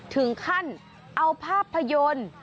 ถึงขั้นเอาภาพยนตร์